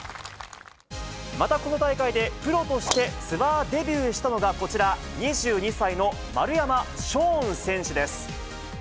また、この大会で、プロとしてツアーデビューしたのがこちら、２２歳の丸山奨王選手です。